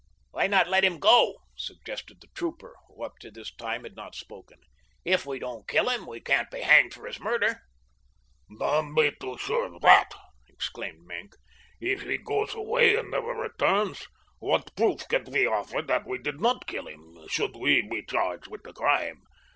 "Why not let him go?" suggested the trooper, who up to this time had not spoken. "If we don't kill him, we can't be hanged for his murder." "Don't be too sure of that," exclaimed Maenck. "If he goes away and never returns, what proof can we offer that we did not kill him, should we be charged with the crime?